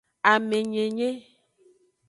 Amenyenye.